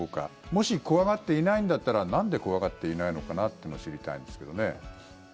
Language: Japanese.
もし怖がっていないんだったらなんで怖がっていないのかなって知りたいんですけどね。